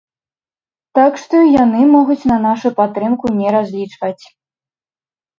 Так што, яны могуць на нашу падтрымку не разлічваць.